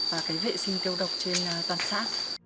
và vệ sinh tiêu độc trên toàn xã